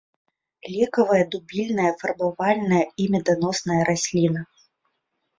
Лекавая, дубільная, фарбавальная і меданосная расліна.